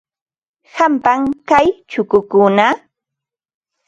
Qampam kay chukukuna.